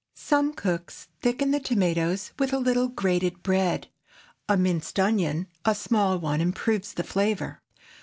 Some cooks thicken the tomatoes with a little grated bread. A minced onion—a small one—improves the flavor.